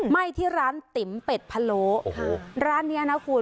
ไหม้ที่ร้านติ๋มเป็ดพะโลร้านเนี้ยนะคุณ